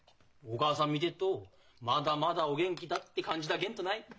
お義母さん見でっどまだまだお元気だって感じだげんとない。